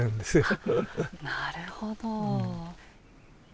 なるほど。